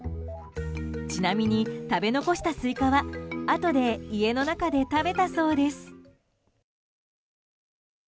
ちなみに、食べ残したスイカはあとで家の中で食べたそうです。